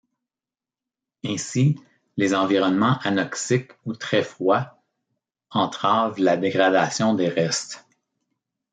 Ainsi, les environnements anoxiques ou très froids entravent la dégradation des restes.